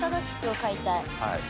はい。